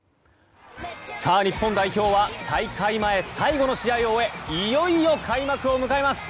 日本代表は大会前、最後の試合を終えいよいよ開幕を迎えます。